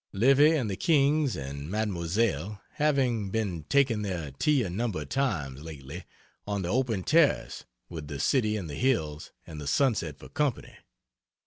Livy and the Kings and Mademoiselle having been taking their tea a number of times, lately, on the open terrace with the city and the hills and the sunset for company.